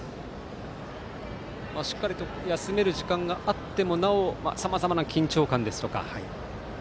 しっかりと休める時間があってもなおさまざまな緊張感ですとか